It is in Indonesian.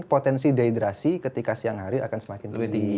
potensi dehidrasi ketika siang hari akan semakin tinggi